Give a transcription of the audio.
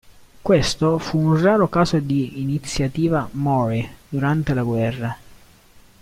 Questo fu un raro caso di iniziativa Mōri durante la guerra.